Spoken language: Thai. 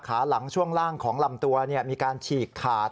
ขาหลังช่วงล่างของลำตัวมีการฉีกขาด